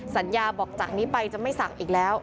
สัญญาบอกจากนี้ไปจะไม่สั่งอีกแล้ว